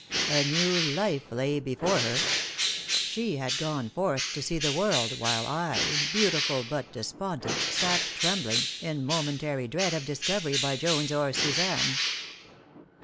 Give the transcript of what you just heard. A new life lay before her. She had gone forth to see the world, while I, beautiful but despondent, sat trembling, in momentary dread of discovery by Jones or Suzanne.